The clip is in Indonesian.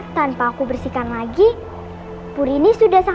sampai jumpa di tujuan berikuterstudium